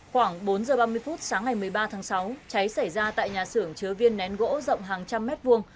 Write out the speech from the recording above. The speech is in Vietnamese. khoảng bốn giờ ba mươi phút sáng ngày một mươi ba tháng sáu cháy xảy ra tại nhà xưởng chứa viên nén gỗ rộng hàng trăm mét vuông